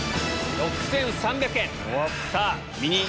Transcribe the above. ６３００円。